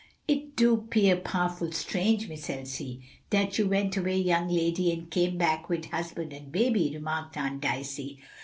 "It do 'pear pow'ful strange, Miss Elsie, dat you went away young lady and come back wid husband and baby," remarked Aunt Dicey.